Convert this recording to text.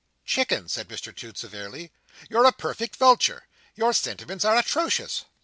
"Chicken," said Mr Toots, severely, "you're a perfect Vulture! Your sentiments are atrocious."